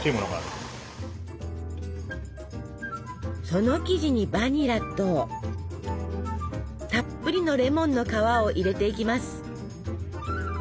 その生地にバニラとたっぷりのレモンの皮を入れていきます。